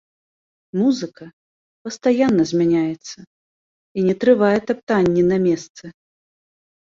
Музыка пастаянна змяняецца і не трывае таптанні на месцы.